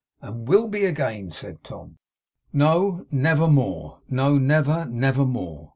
'And will be again,' said Tom. 'No, never more. No, never, never more.